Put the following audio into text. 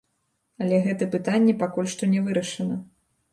Але гэта пытанне пакуль што не вырашана.